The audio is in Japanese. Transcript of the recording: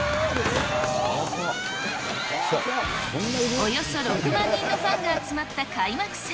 およそ６万人のファンが集まった開幕戦。